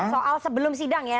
soal sebelum sidang ya